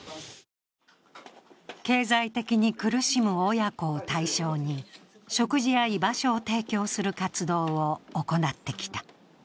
経済的に苦しむ親子を対象に食事や居場所を提供する活動を行ってきた。